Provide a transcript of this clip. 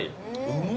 うま！